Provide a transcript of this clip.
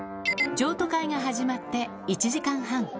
譲渡会が始まって１時間半。